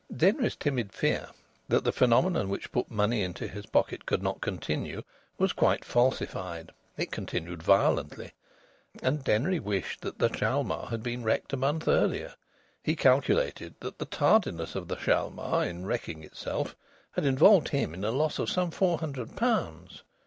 Denry's timid fear that the phenomenon which put money into his pocket could not continue, was quite falsified. It continued violently. And Denry wished that the Hjalmar had been wrecked a month earlier. He calculated that the tardiness of the Hjalmar in wrecking itself had involved him in a loss of some four hundred pounds.